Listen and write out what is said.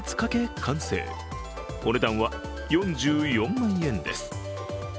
完成お値段は４４万円です。